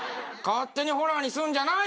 「勝手にホラーにすんじゃないよ！」